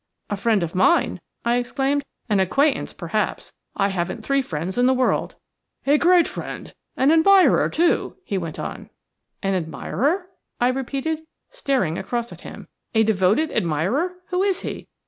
"A friend of mine?" I exclaimed. "An acquaintance, perhaps. I haven't three friends in the world." "A great friend– an admirer, too," he went on. "An admirer!" I repeated, staring across at him. "A devoted admirer! Who is he?